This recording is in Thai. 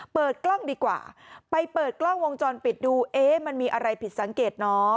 เปิดกล้องดีกว่าไปเปิดกล้องวงจรปิดดูเอ๊ะมันมีอะไรผิดสังเกตเนาะ